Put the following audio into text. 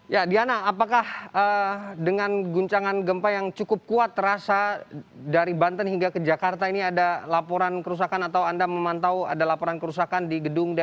ya diana apakah dengan guncangan gempa yang cukup kuat terasa dari banten hingga ke jakarta ini ada laporan kerusakan atau anda memantau ada laporan kerusakan di gedung dpr